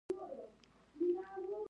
ملګرتوب د ضرورت په باب نظریات بیان کړل.